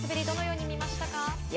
どのように見ましたか。